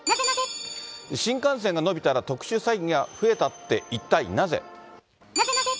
新幹線が延びたら特殊詐欺が増えたって、一体なぜ？